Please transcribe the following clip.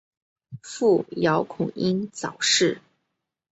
父姚孔瑛早逝。